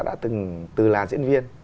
đã từ là diễn viên